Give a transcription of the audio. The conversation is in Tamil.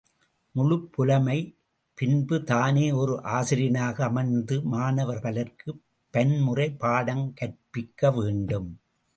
முழுப் புலமை பின்பு, தானே ஓர் ஆசிரியனாக அமர்ந்து மாணவர் பலர்க்குப் பன்முறை பாடங் கற்பிக்க வேண்டும்.